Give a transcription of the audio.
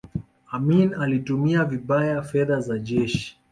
amin alitumia vibaya fedha za jeshi